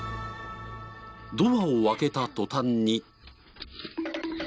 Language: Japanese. ドアを開けた途端に。